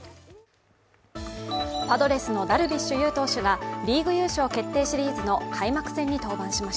パドレスのダルビッシュ有投手がリーグ優勝決定シリーズ開幕戦に登板。